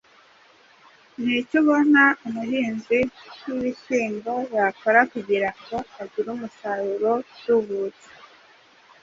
Ni iki ubona umuhinzi w’ibishyimbo yakora kugira ngo agire umusaruro utubutse